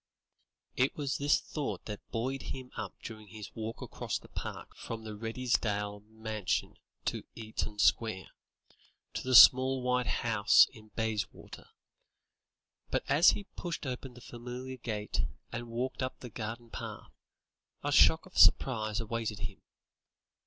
It was this thought that buoyed him up during his walk across the park from the Redesdale's mansion in Eaton Square, to the small white house in Bayswater; but as he pushed open the familiar gate and walked up the garden path, a shock of surprise awaited him.